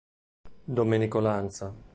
Domenico Lanza